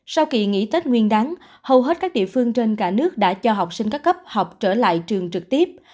sau kỳ nghỉ tết nguyên đáng hầu hết các địa phương trên cả nước đã cho học sinh các cấp học trở lại trường trực tiếp